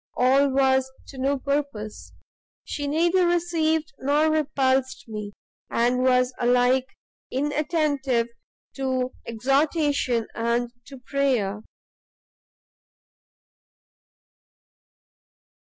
all was to no purpose; she neither received nor repulsed me, and was alike inattentive to exhortation and to prayer.